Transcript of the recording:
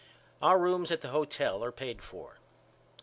Our rooms at the hotel are paid for.